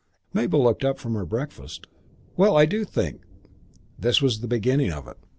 Mabel looked up from her breakfast. "Well, I do think " This was the beginning of it.